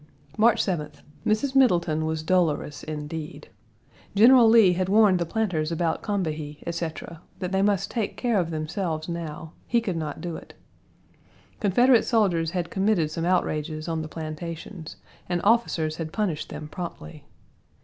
March 7th. Mrs. Middleton was dolorous indeed. General Lee had warned the planters about Combahee, etc., that they must take care of themselves now; he could not do it. Confederate soldiers had committed some outrages on the plantations and officers had punished them promptly.